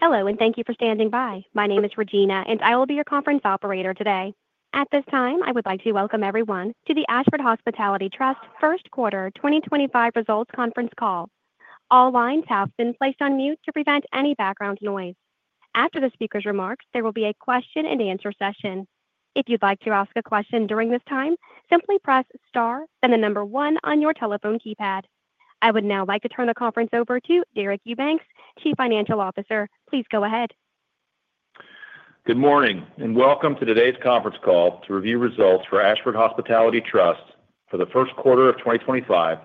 Hello, and thank you for standing by. My name is Regina, and I will be your conference operator today. At this time, I would like to welcome everyone to the Ashford Hospitality Trust first quarter 2025 results conference call. All lines have been placed on mute to prevent any background noise. After the speaker's remarks, there will be a question-and-answer session. If you'd like to ask a question during this time, simply press star, then the number one on your telephone keypad. I would now like to turn the conference over to Deric Eubanks, Chief Financial Officer. Please go ahead. Good morning, and welcome to today's conference call to review results for Ashford Hospitality Trust for the first quarter of 2025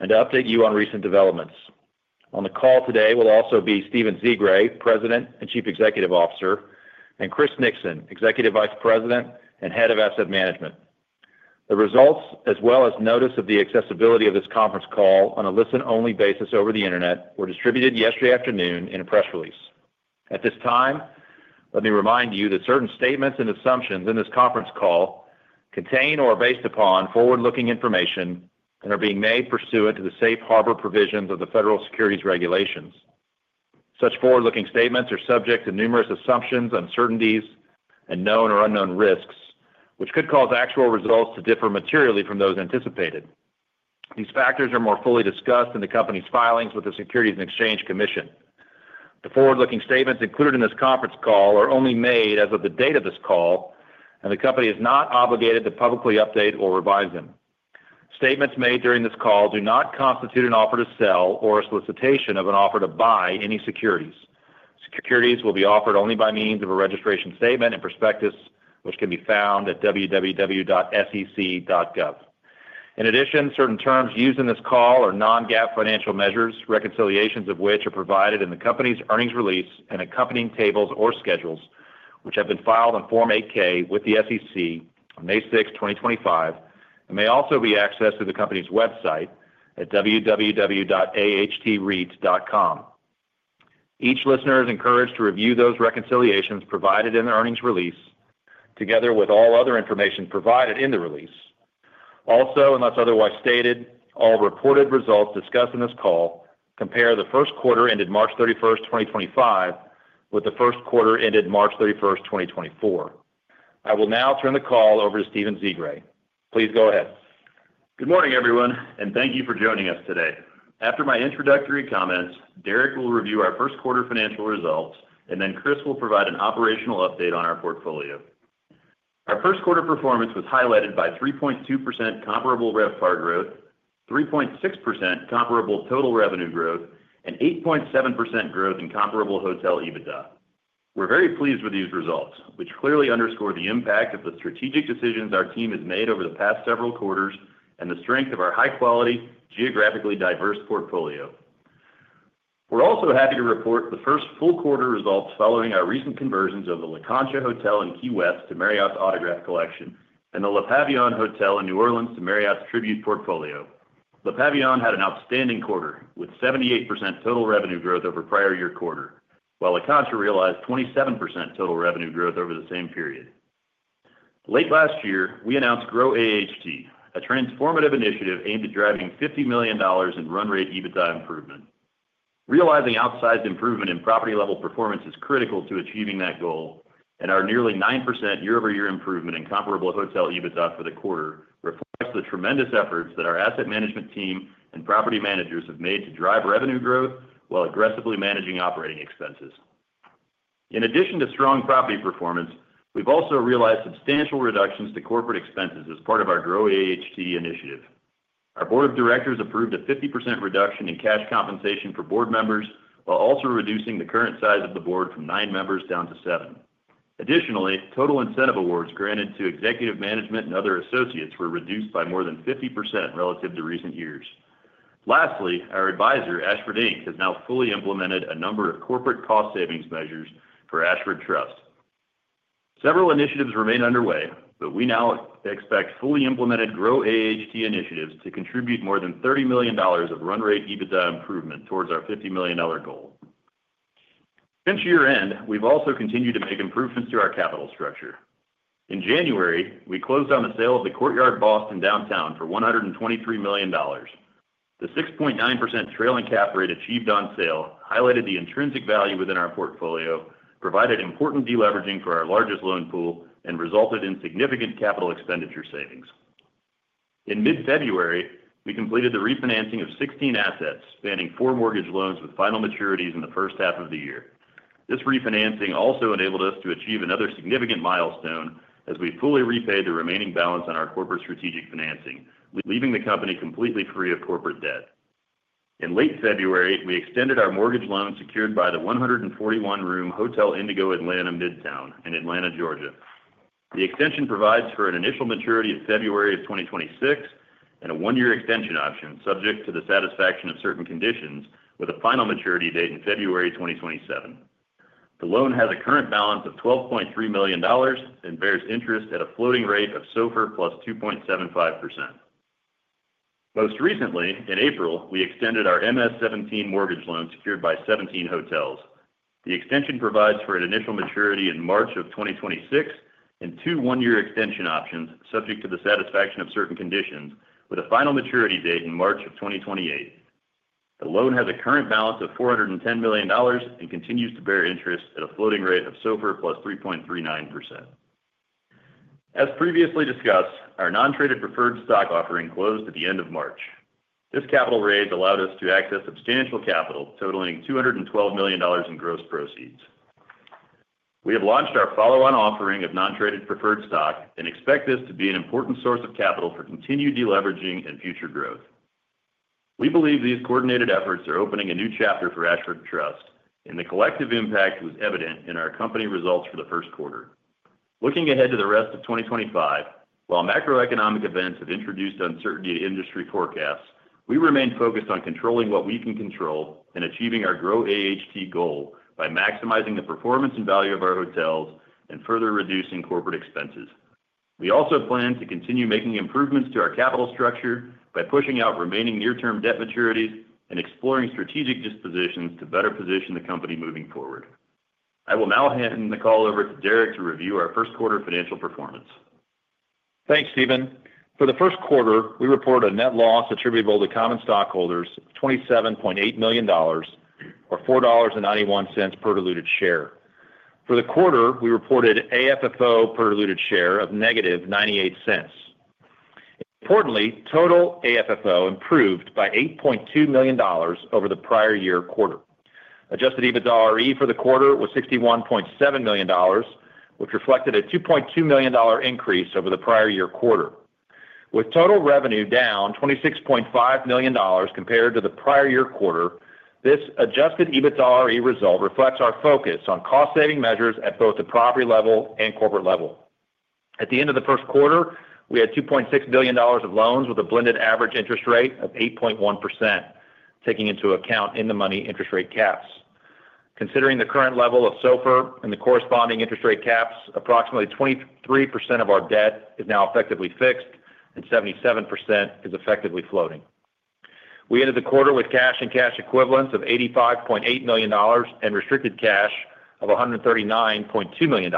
and to update you on recent developments. On the call today will also be Stephen Zsigray, President and Chief Executive Officer, and Chris Nixon, Executive Vice President and Head of Asset Management. The results, as well as notice of the accessibility of this conference call on a listen-only basis over the internet, were distributed yesterday afternoon in a press release. At this time, let me remind you that certain statements and assumptions in this conference call contain or are based upon forward-looking information and are being made pursuant to the safe harbor provisions of the federal securities regulations. Such forward-looking statements are subject to numerous assumptions, uncertainties, and known or unknown risks, which could cause actual results to differ materially from those anticipated. These factors are more fully discussed in the company's filings with the Securities and Exchange Commission. The forward-looking statements included in this conference call are only made as of the date of this call, and the company is not obligated to publicly update or revise them. Statements made during this call do not constitute an offer to sell or a solicitation of an offer to buy any securities. Securities will be offered only by means of a registration statement and prospectus, which can be found at www.sec.gov. In addition, certain terms used in this call are non-GAAP financial measures, reconciliations of which are provided in the company's earnings release and accompanying tables or schedules, which have been filed on Form 8-K with the SEC on May 6, 2025, and may also be accessed through the company's website at www.ahtreit.com. Each listener is encouraged to review those reconciliations provided in the earnings release together with all other information provided in the release. Also, unless otherwise stated, all reported results discussed in this call compare the first quarter ended March 31, 2025, with the first quarter ended March 31, 2024. I will now turn the call over to Stephen Zsigray. Please go ahead. Good morning, everyone, and thank you for joining us today. After my introductory comments, Deric will review our first quarter financial results, and then Chris will provide an operational update on our portfolio. Our first quarter performance was highlighted by 3.2% comparable RevPAR growth, 3.6% comparable total revenue growth, and 8.7% growth in comparable hotel EBITDA. We're very pleased with these results, which clearly underscore the impact of the strategic decisions our team has made over the past several quarters and the strength of our high-quality, geographically diverse portfolio. We're also happy to report the first full quarter results following our recent conversions of the La Concha Hotel in Key West to Marriott's Autograph Collection and the Le Pavillon Hotel in New Orleans to Marriott's Tribute Portfolio. Le Pavillon had an outstanding quarter with 78% total revenue growth over prior year quarter, while La Concha realized 27% total revenue growth over the same period. Late last year, we announced GRO AHT, a transformative initiative aimed at driving $50 million in run rate EBITDA improvement. Realizing outsized improvement in property-level performance is critical to achieving that goal, and our nearly 9% year-over-year improvement in comparable hotel EBITDA for the quarter reflects the tremendous efforts that our asset management team and property managers have made to drive revenue growth while aggressively managing operating expenses. In addition to strong property performance, we've also realized substantial reductions to corporate expenses as part of our GRO AHT initiative. Our board of directors approved a 50% reduction in cash compensation for board members while also reducing the current size of the board from nine members down to seven. Additionally, total incentive awards granted to executive management and other associates were reduced by more than 50% relative to recent years. Lastly, our advisor, Ashford Inc., has now fully implemented a number of corporate cost savings measures for Ashford Trust. Several initiatives remain underway, but we now expect fully implemented GRO AHT initiatives to contribute more than $30 million of run rate EBITDA improvement towards our $50 million goal. Since year-end, we've also continued to make improvements to our capital structure. In January, we closed on the sale of the Courtyard Boston Downtown for $123 million. The 6.9% trailing cap rate achieved on sale highlighted the intrinsic value within our portfolio, provided important deleveraging for our largest loan pool, and resulted in significant capital expenditure savings. In mid-February, we completed the refinancing of 16 assets spanning four mortgage loans with final maturities in the first half of the year. This refinancing also enabled us to achieve another significant milestone as we fully repaid the remaining balance on our corporate strategic financing, leaving the company completely free of corporate debt. In late February, we extended our mortgage loans secured by the 141-room Hotel Indigo Atlanta Midtown in Atlanta, Georgia. The extension provides for an initial maturity of February 2026 and a one-year extension option subject to the satisfaction of certain conditions, with a final maturity date in February 2027. The loan has a current balance of $12.3 million and bears interest at a floating rate of SOFR +2.75%. Most recently, in April, we extended our MS 17 mortgage loan secured by 17 hotels. The extension provides for an initial maturity in March 2026 and two one-year extension options subject to the satisfaction of certain conditions, with a final maturity date in March 2028. The loan has a current balance of $410 million and continues to bear interest at a floating rate of SOFR plus 3.39%. As previously discussed, our non-traded preferred stock offering closed at the end of March. This capital raise allowed us to access substantial capital totaling $212 million in gross proceeds. We have launched our follow-on offering of non-traded preferred stock and expect this to be an important source of capital for continued deleveraging and future growth. We believe these coordinated efforts are opening a new chapter for Ashford Hospitality Trust, and the collective impact was evident in our company results for the first quarter. Looking ahead to the rest of 2025, while macroeconomic events have introduced uncertainty to industry forecasts, we remain focused on controlling what we can control and achieving our GRO AHT goal by maximizing the performance and value of our hotels and further reducing corporate expenses. We also plan to continue making improvements to our capital structure by pushing out remaining near-term debt maturities and exploring strategic dispositions to better position the company moving forward. I will now hand the call over to Deric to review our first quarter financial performance. Thanks, Steven. For the first quarter, we reported a net loss attributable to common stockholders of $27.8 million, or $4.91 per diluted share. For the quarter, we reported AFFO per diluted share of -$0.98. Importantly, total AFFO improved by $8.2 million over the prior year quarter. Adjusted EBITDA RE for the quarter was $61.7 million, which reflected a $2.2 million increase over the prior year quarter. With total revenue down $26.5 million compared to the prior year quarter, this adjusted EBITDA RE result reflects our focus on cost-saving measures at both the property level and corporate level. At the end of the first quarter, we had $2.6 billion of loans with a blended average interest rate of 8.1%, taking into account in-the-money interest rate caps. Considering the current level of SOFR and the corresponding interest rate caps, approximately 23% of our debt is now effectively fixed, and 77% is effectively floating. We ended the quarter with cash and cash equivalents of $85.8 million and restricted cash of $139.2 million.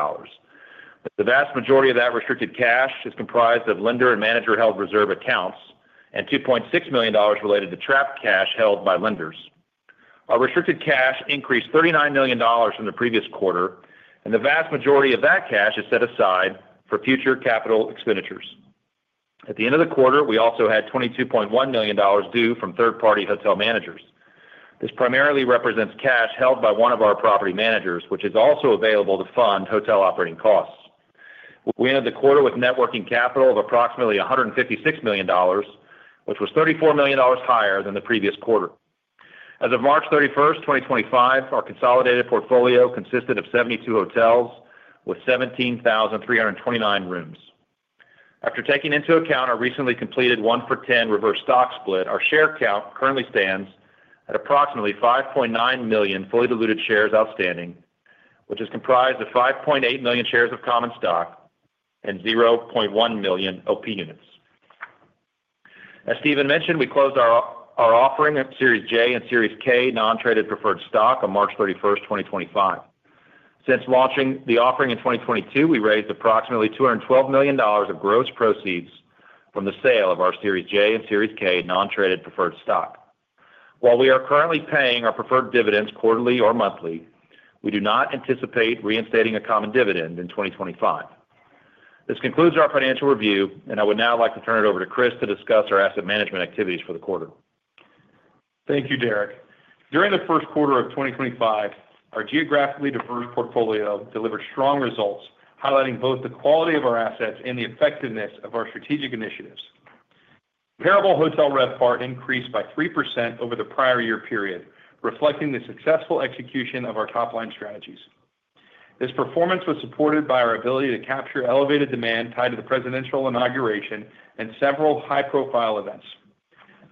The vast majority of that restricted cash is comprised of lender and manager-held reserve accounts and $2.6 million related to trapped cash held by lenders. Our restricted cash increased $39 million from the previous quarter, and the vast majority of that cash is set aside for future capital expenditures. At the end of the quarter, we also had $22.1 million due from third-party hotel managers. This primarily represents cash held by one of our property managers, which is also available to fund hotel operating costs. We ended the quarter with networking capital of approximately $156 million, which was $34 million higher than the previous quarter. As of March 31, 2025, our consolidated portfolio consisted of 72 hotels with 17,329 rooms. After taking into account our recently completed one-for-ten reverse stock split, our share count currently stands at approximately 5.9 million fully diluted shares outstanding, which is comprised of 5.8 million shares of common stock and 0.1 million OP units. As Stephen mentioned, we closed our offering of Series J and Series K non-traded preferred stock on March 31, 2025. Since launching the offering in 2022, we raised approximately $212 million of gross proceeds from the sale of our Series J and Series K non-traded preferred stock. While we are currently paying our preferred dividends quarterly or monthly, we do not anticipate reinstating a common dividend in 2025. This concludes our financial review, and I would now like to turn it over to Chris to discuss our asset management activities for the quarter. Thank you, Deric. During the first quarter of 2025, our geographically diverse portfolio delivered strong results, highlighting both the quality of our assets and the effectiveness of our strategic initiatives. Comparable hotel RevPAR increased by 3% over the prior year period, reflecting the successful execution of our top-line strategies. This performance was supported by our ability to capture elevated demand tied to the presidential inauguration and several high-profile events.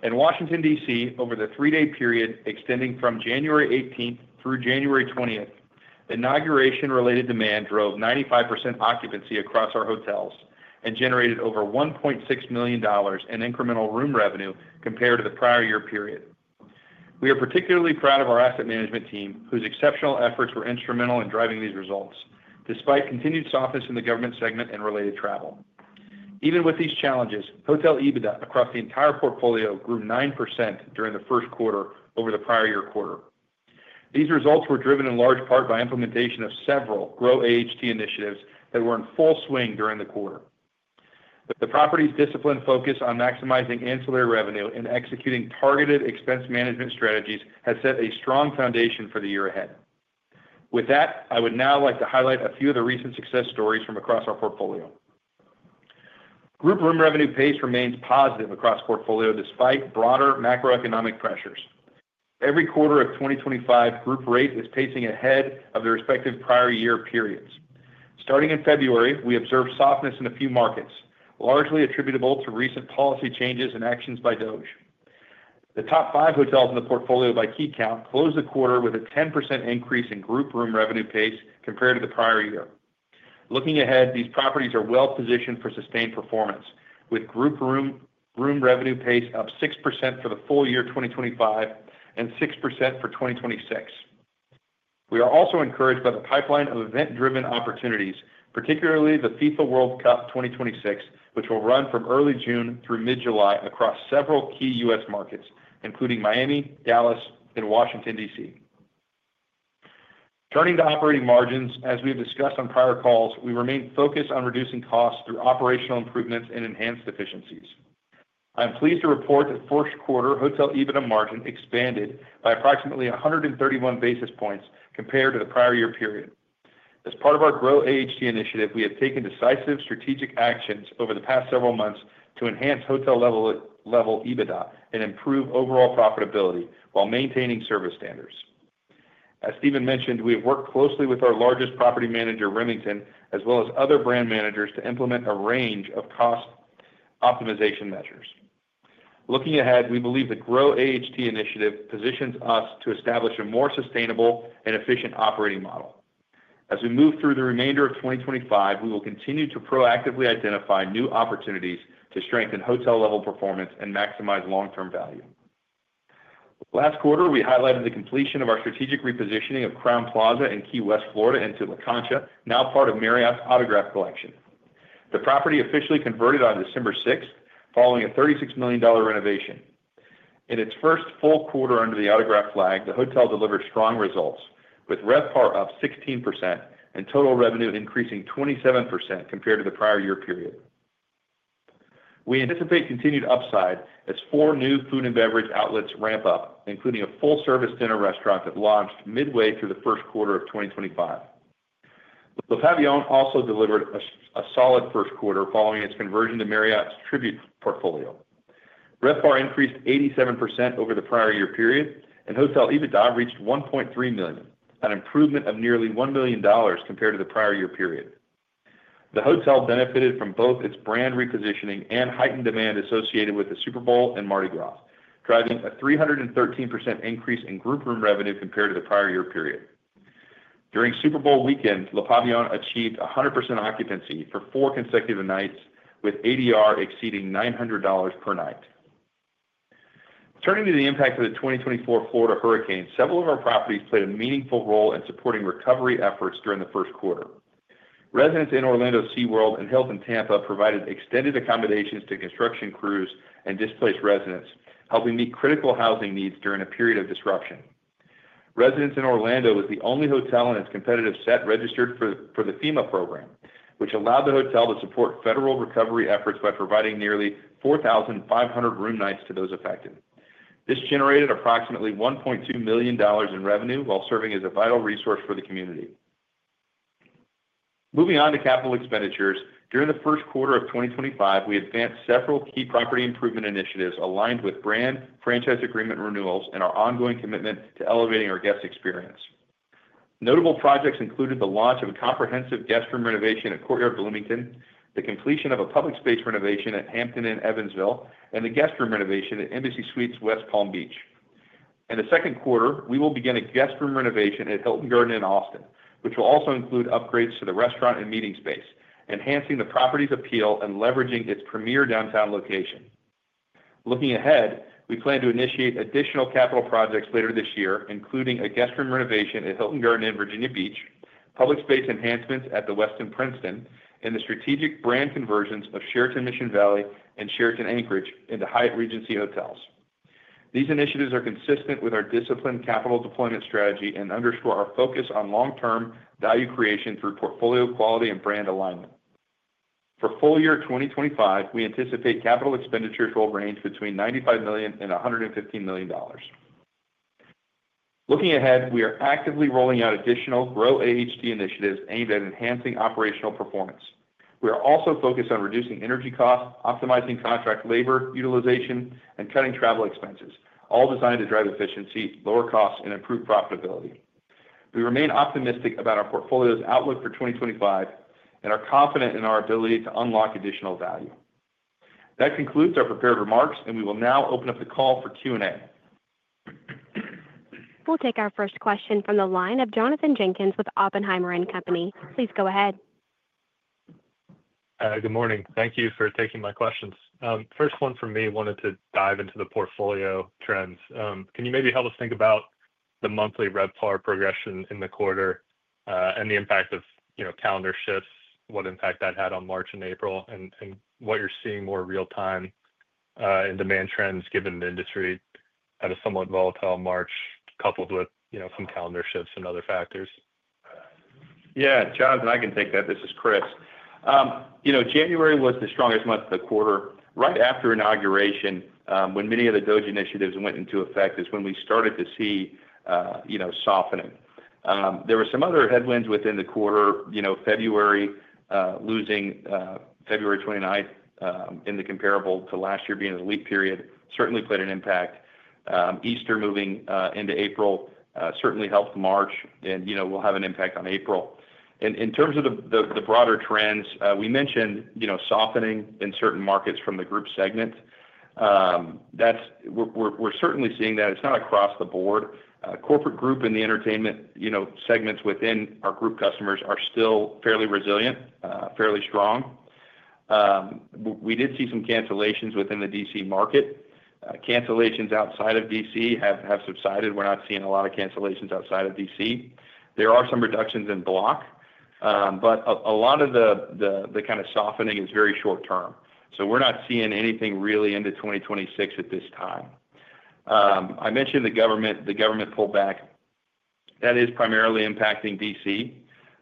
In Washington, D.C., over the three-day period extending from January 18 through January 20, the inauguration-related demand drove 95% occupancy across our hotels and generated over $1.6 million in incremental room revenue compared to the prior year period. We are particularly proud of our asset management team, whose exceptional efforts were instrumental in driving these results, despite continued softness in the government segment and related travel. Even with these challenges, hotel EBITDA across the entire portfolio grew 9% during the first quarter over the prior year quarter. These results were driven in large part by implementation of several GRO AHT initiatives that were in full swing during the quarter. The property's disciplined focus on maximizing ancillary revenue and executing targeted expense management strategies has set a strong foundation for the year ahead. With that, I would now like to highlight a few of the recent success stories from across our portfolio. Group room revenue pace remains positive across the portfolio despite broader macroeconomic pressures. Every quarter of 2025, group rate is pacing ahead of the respective prior year periods. Starting in February, we observed softness in a few markets, largely attributable to recent policy changes and actions by Doug. The top five hotels in the portfolio by key count closed the quarter with a 10% increase in group room revenue pace compared to the prior year. Looking ahead, these properties are well-positioned for sustained performance, with group room revenue pace up 6% for the full year 2025 and 6% for 2026. We are also encouraged by the pipeline of event-driven opportunities, particularly the FIFA World Cup 2026, which will run from early June through mid-July across several key U.S. markets, including Miami, Dallas, and Washington, D.C. Turning to operating margins, as we have discussed on prior calls, we remain focused on reducing costs through operational improvements and enhanced efficiencies. I am pleased to report that first quarter hotel EBITDA margin expanded by approximately 131 basis points compared to the prior year period. As part of our GRO AHT initiative, we have taken decisive strategic actions over the past several months to enhance hotel-level EBITDA and improve overall profitability while maintaining service standards. As Stephen mentioned, we have worked closely with our largest property manager, Remington, as well as other brand managers to implement a range of cost optimization measures. Looking ahead, we believe the GRO AHT initiative positions us to establish a more sustainable and efficient operating model. As we move through the remainder of 2025, we will continue to proactively identify new opportunities to strengthen hotel-level performance and maximize long-term value. Last quarter, we highlighted the completion of our strategic repositioning of Crowne Plaza in Key West, Florida, into La Concha, now part of Marriott's Autograph Collection. The property officially converted on December 6, following a $36 million renovation. In its first full quarter under the Autograph flag, the hotel delivered strong results, with RevPAR up 16% and total revenue increasing 27% compared to the prior year period. We anticipate continued upside as four new food and beverage outlets ramp up, including a full-service dinner restaurant that launched midway through the first quarter of 2025. Le Pavillon also delivered a solid first quarter following its conversion to Marriott's Tribute Portfolio. RevPAR increased 87% over the prior year period, and hotel EBITDA reached $1.3 million, an improvement of nearly $1 million compared to the prior year period. The hotel benefited from both its brand repositioning and heightened demand associated with the Super Bowl and Mardi Gras, driving a 313% increase in group room revenue compared to the prior year period. During Super Bowl weekend, Le Pavillon achieved 100% occupancy for four consecutive nights, with ADR exceeding $900 per night. Turning to the impact of the 2024 Florida hurricane, several of our properties played a meaningful role in supporting recovery efforts during the first quarter. Residence Inn Orlando SeaWorld and Hilton Tampa provided extended accommodations to construction crews and displaced residents, helping meet critical housing needs during a period of disruption. Residence Inn Orlando was the only hotel in its competitive set registered for the FEMA program, which allowed the hotel to support federal recovery efforts by providing nearly 4,500 room nights to those affected. This generated approximately $1.2 million in revenue while serving as a vital resource for the community. Moving on to capital expenditures, during the first quarter of 2025, we advanced several key property improvement initiatives aligned with brand franchise agreement renewals and our ongoing commitment to elevating our guest experience. Notable projects included the launch of a comprehensive guest room renovation at Courtyard Bloomington, the completion of a public space renovation at Hampton Inn Evansville, and the guest room renovation at Embassy Suites West Palm Beach. In the second quarter, we will begin a guest room renovation at Hilton Garden Inn Austin, which will also include upgrades to the restaurant and meeting space, enhancing the property's appeal and leveraging its premier downtown location. Looking ahead, we plan to initiate additional capital projects later this year, including a guest room renovation at Hilton Garden Inn Virginia Beach, public space enhancements at the Westin Princeton, and the strategic brand conversions of Sheraton Mission Valley and Sheraton Anchorage into Hyatt Regency Hotels. These initiatives are consistent with our disciplined capital deployment strategy and underscore our focus on long-term value creation through portfolio quality and brand alignment. For full year 2025, we anticipate capital expenditures will range between $95 million and $115 million. Looking ahead, we are actively rolling out additional GRO AHT initiatives aimed at enhancing operational performance. We are also focused on reducing energy costs, optimizing contract labor utilization, and cutting travel expenses, all designed to drive efficiency, lower costs, and improve profitability. We remain optimistic about our portfolio's outlook for 2025 and are confident in our ability to unlock additional value. That concludes our prepared remarks, and we will now open up the call for Q&A. We'll take our first question from the line of Jonathan Jenkins with Oppenheimer & Company. Please go ahead. Good morning. Thank you for taking my questions. First one for me, I wanted to dive into the portfolio trends. Can you maybe help us think about the monthly RevPAR progression in the quarter and the impact of calendar shifts, what impact that had on March and April, and what you're seeing more real-time in demand trends given the industry had a somewhat volatile March coupled with some calendar shifts and other factors? Yeah, Jonathan, I can take that. This is Chris. January was the strongest month of the quarter. Right after inauguration, when many of the Doug initiatives went into effect, is when we started to see softening. There were some other headwinds within the quarter. February losing February 29 in the comparable to last year being a leap period certainly played an impact. Easter moving into April certainly helped March and will have an impact on April. In terms of the broader trends, we mentioned softening in certain markets from the group segment. We're certainly seeing that. It's not across the board. Corporate group and the entertainment segments within our group customers are still fairly resilient, fairly strong. We did see some cancellations within the D.C. market. Cancellations outside of D.C. have subsided. We're not seeing a lot of cancellations outside of D.C. There are some reductions in block, but a lot of the kind of softening is very short-term. We are not seeing anything really into 2026 at this time. I mentioned the government pullback. That is primarily impacting D.C.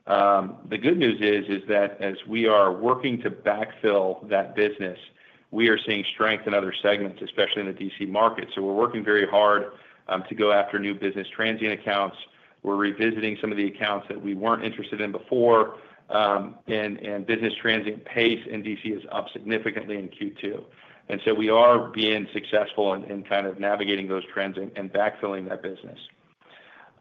The good news is that as we are working to backfill that business, we are seeing strength in other segments, especially in the D.C. market. We are working very hard to go after new business transient accounts. We are revisiting some of the accounts that we were not interested in before. Business transient pace in D.C. is up significantly in Q2. We are being successful in kind of navigating those trends and backfilling that business.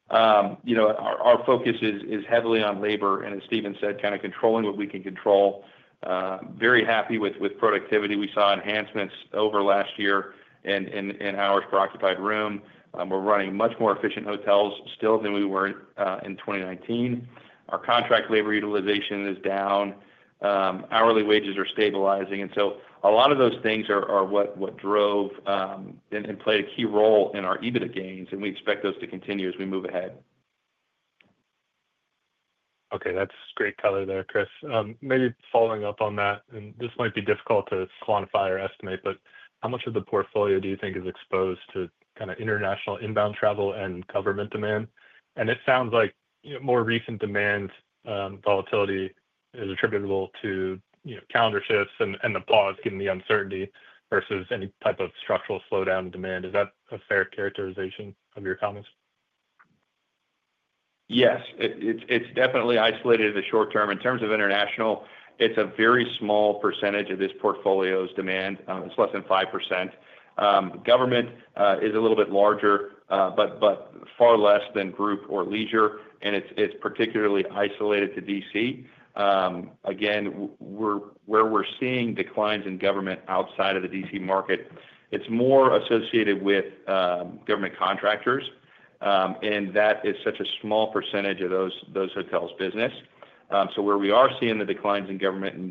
Our focus is heavily on labor and, as Stephen said, kind of controlling what we can control. Very happy with productivity. We saw enhancements over last year in our occupied room. We're running much more efficient hotels still than we were in 2019. Our contract labor utilization is down. Hourly wages are stabilizing. A lot of those things are what drove and played a key role in our EBITDA gains, and we expect those to continue as we move ahead. Okay, that's great color there, Chris. Maybe following up on that, and this might be difficult to quantify or estimate, but how much of the portfolio do you think is exposed to kind of international inbound travel and government demand? It sounds like more recent demand volatility is attributable to calendar shifts and the pause given the uncertainty versus any type of structural slowdown in demand. Is that a fair characterization of your comments? Yes, it's definitely isolated in the short term. In terms of international, it's a very small percentage of this portfolio's demand. It's less than 5%. Government is a little bit larger, but far less than group or leisure, and it's particularly isolated to D.C. Again, where we're seeing declines in government outside of the D.C. market, it's more associated with government contractors, and that is such a small percentage of those hotels' business. Where we are seeing the declines in government in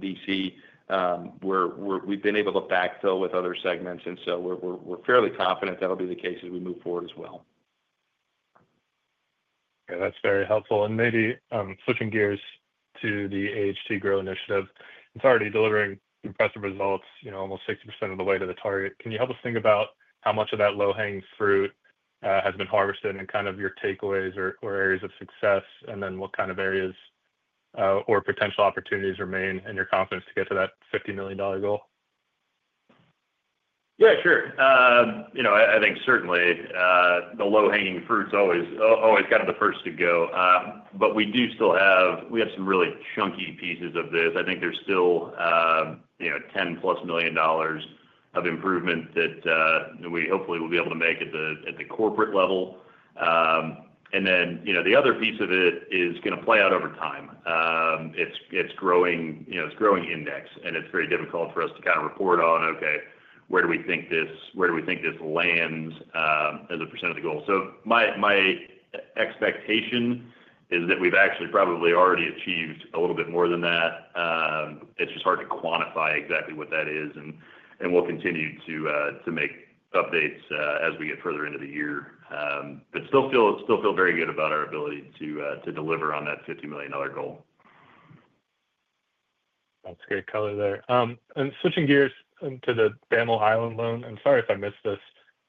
D.C., we've been able to backfill with other segments, and we're fairly confident that'll be the case as we move forward as well. Yeah, that's very helpful. Maybe switching gears to the AHT GRO initiative, it's already delivering impressive results, almost 60% of the way to the target. Can you help us think about how much of that low-hanging fruit has been harvested and kind of your takeaways or areas of success, and then what kind of areas or potential opportunities remain in your confidence to get to that $50 million goal? Yeah, sure. I think certainly the low-hanging fruit's always kind of the first to go. But we do still have some really chunky pieces of this. I think there's still $10 million-plus of improvement that we hopefully will be able to make at the corporate level. And then the other piece of it is going to play out over time. It's growing index, and it's very difficult for us to kind of report on, okay, where do we think this lands as a percent of the goal? So my expectation is that we've actually probably already achieved a little bit more than that. It's just hard to quantify exactly what that is, and we'll continue to make updates as we get further into the year, but still feel very good about our ability to deliver on that $50 million goal. That's great color there. Switching gears into the Bamel Island loan, I'm sorry if I missed this.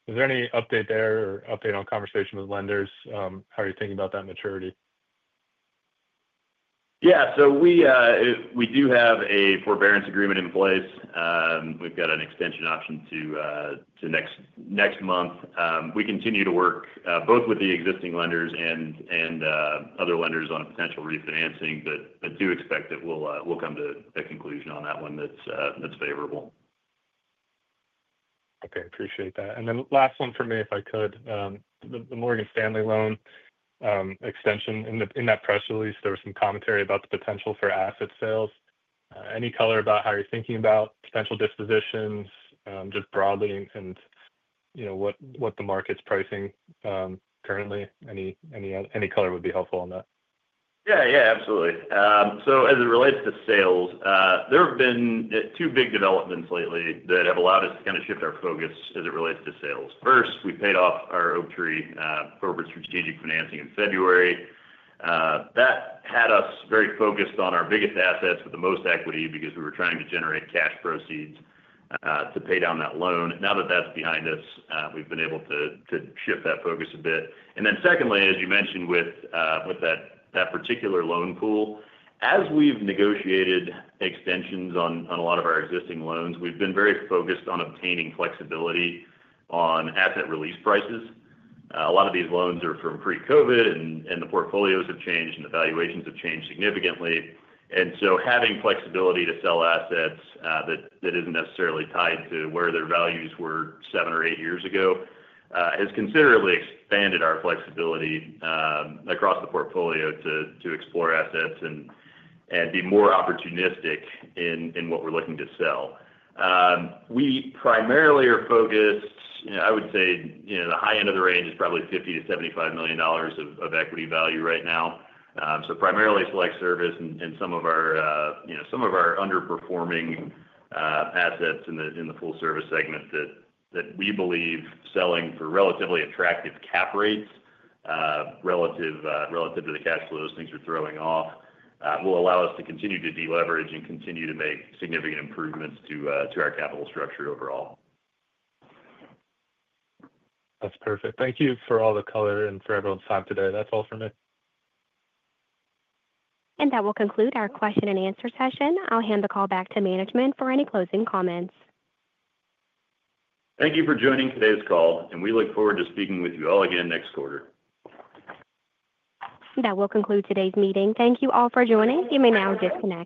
Is there any update there or update on conversation with lenders? How are you thinking about that maturity? Yeah, so we do have a forbearance agreement in place. We've got an extension option to next month. We continue to work both with the existing lenders and other lenders on potential refinancing, but do expect that we'll come to a conclusion on that one that's favorable. Okay, appreciate that. Then last one for me, if I could. The Morgan Stanley loan extension, in that press release, there was some commentary about the potential for asset sales. Any color about how you're thinking about potential dispositions just broadly and what the market's pricing currently? Any color would be helpful on that. Yeah, yeah, absolutely. As it relates to sales, there have been two big developments lately that have allowed us to kind of shift our focus as it relates to sales. First, we paid off our Oaktree corporate strategic financing in February. That had us very focused on our biggest assets with the most equity because we were trying to generate cash proceeds to pay down that loan. Now that that's behind us, we've been able to shift that focus a bit. Secondly, as you mentioned with that particular loan pool, as we've negotiated extensions on a lot of our existing loans, we've been very focused on obtaining flexibility on asset release prices. A lot of these loans are from pre-COVID, and the portfolios have changed and the valuations have changed significantly. Having flexibility to sell assets that is not necessarily tied to where their values were seven or eight years ago has considerably expanded our flexibility across the portfolio to explore assets and be more opportunistic in what we are looking to sell. We primarily are focused, I would say the high end of the range is probably $50 million-$75 million of equity value right now. Primarily select service and some of our underperforming assets in the full-service segment that we believe selling for relatively attractive cap rates, relative to the cash flow those things are throwing off, will allow us to continue to deleverage and continue to make significant improvements to our capital structure overall. That's perfect. Thank you for all the color and for everyone's time today. That's all for me. That will conclude our question and answer session. I'll hand the call back to management for any closing comments. Thank you for joining today's call, and we look forward to speaking with you all again next quarter. That will conclude today's meeting. Thank you all for joining. You may now disconnect.